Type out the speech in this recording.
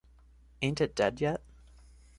Ain't it Dead Yet?